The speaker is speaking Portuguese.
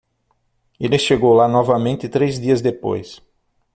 Ele chegou lá novamente três dias depois.